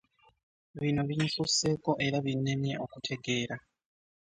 Bino binsusseeko era binnemye okutegeera.